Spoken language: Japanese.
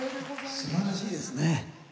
すばらしいですね。